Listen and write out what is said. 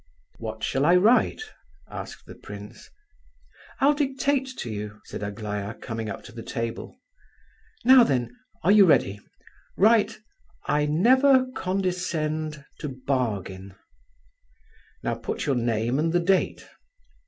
"What shall I write?" asked the prince. "I'll dictate to you," said Aglaya, coming up to the table. "Now then, are you ready? Write, 'I never condescend to bargain!' Now put your name and the date.